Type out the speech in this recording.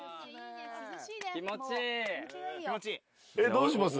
どうします？